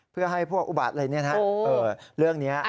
เพื่อให้พวกอุบัติอะไรอย่างนั่นมั้ยครับ